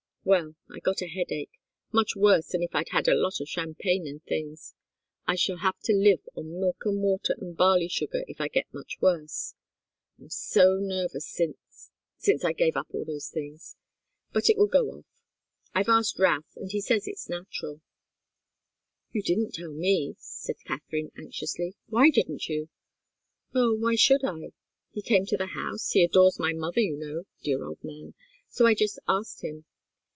"Well I got a headache, much worse than if I'd had a lot of champagne and things. I shall have to live on milk and water and barley sugar if I get much worse. I'm so nervous since since I gave up all those things. But it will go off I've asked Routh, and he says it's natural " "You didn't tell me," said Katharine, anxiously. "Why didn't you?" "Oh why should I? He came to the house he adores my mother, you know, dear old man so I just asked him.